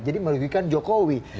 jadi merugikan jokowi